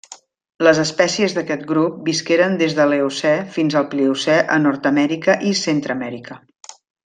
Les espècies d'aquest grup visqueren des de l'Eocè fins al Pliocè a Nord-amèrica i Centreamèrica.